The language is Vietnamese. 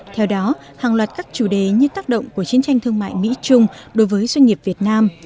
theo đó hàng loạt các chủ đề như tác động của chiến tranh thương mại mỹ trung đối với doanh nghiệp việt nam